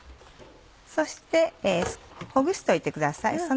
そしてほぐしておいてください。